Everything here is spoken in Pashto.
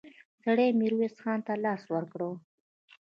سړي ميرويس خان ته لاس ورکړ.